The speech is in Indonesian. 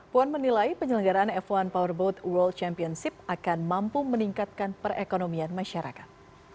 puan menilai penyelenggaraan f satu powerboat world championship akan mampu meningkatkan perekonomian masyarakat